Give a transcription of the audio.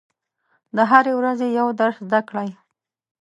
د هرې ورځې یو درس زده کړئ.